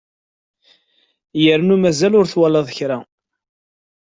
Yerna mazal ur twalaḍ kra!